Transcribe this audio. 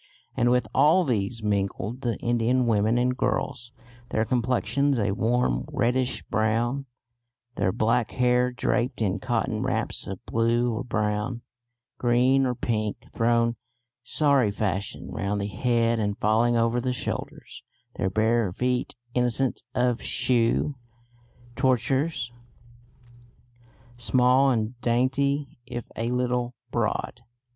And with all these mingled the Indian women and girls, their complexions a warm reddish brown, their black hair draped in cotton wraps of blue or brown, green or pink, thrown sari fashion round the head and falling over the shoulders; their bare feet, innocent of shoe tortures, small and dainty, if a little broad.